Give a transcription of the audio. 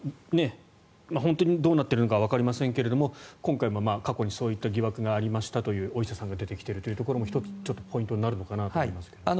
本当にどうなっているのかはわかりませんが今回も過去にそういった疑惑がありましたというお医者さんが出てきているというのも１つポイントになるかなと思いますが。